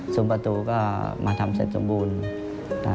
ซุ้มประตูก็มาทำเสร็จจบูรณ์